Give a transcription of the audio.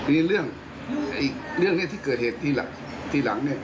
อีกเรื่องนี่ที่เกิดเหตุทีหลัง